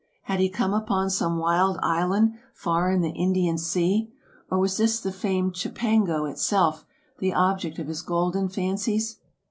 Had he come upon some wild island far in the Indian sea ; or was this the famed Cipango itself, the object of his golden fan cies